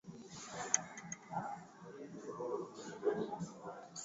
Ziara yake inajiri wiki mbili baada ya Human Rights Watch kutoa ripoti